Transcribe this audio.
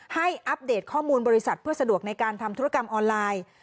อัปเดตข้อมูลบริษัทเพื่อสะดวกในการทำธุรกรรมออนไลน์